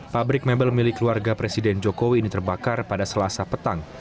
pabrik mebel milik keluarga presiden jokowi ini terbakar pada selasa petang